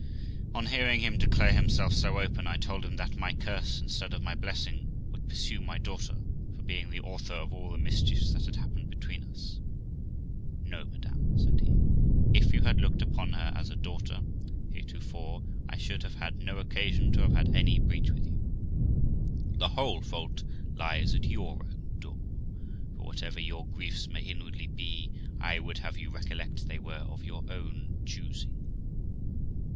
On hearing him declare himself so open, I told him that my curse instead of my blessing would pursue my daughter for being the author of all the mischiefs that had happened between us. 'No, madam', said he, 'if you had looked upon her as a daughter, heretofore, I should have had no occasion to have had any breach with you. The whole fault lies at your own door; for whatever your griefs may inwardly be, I would have you recollect they were of your own choosing.'